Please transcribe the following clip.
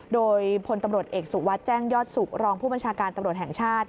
โดยพลตำรวจเอกสุวัสดิ์แจ้งยอดสุขรองผู้บัญชาการตำรวจแห่งชาติ